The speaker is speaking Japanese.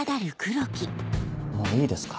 もういいですか？